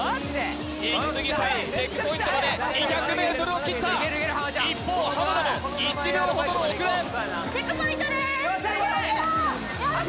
イキスギさんチェックポイントまで２００メートルを切った一方田も１秒ほどの遅れチェックポイントです・よっしゃいけ！